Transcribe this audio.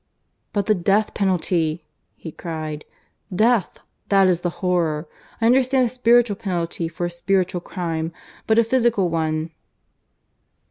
"But the death penalty!" he cried. "Death! that is the horror. I understand a spiritual penalty for a spiritual crime but a physical one.